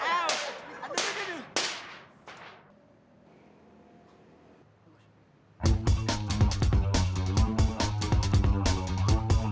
aduh aduh aduh aduh